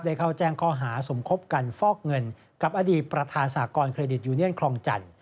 เข้าแจ้งข้อหาสมคบกันฟอกเงินกับอดีตประธานสากรเครดิตยูเนียนคลองจันทร์